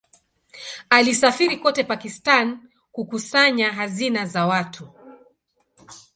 Alisafiri kote Pakistan kukusanya hazina za watu.